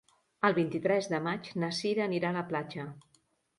El vint-i-tres de maig na Sira anirà a la platja.